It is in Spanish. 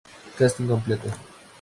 Casting Completo